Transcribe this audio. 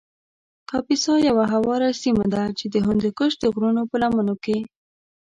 کاپیسا یو هواره سیمه ده چې د هندوکش د غرو په لمنو کې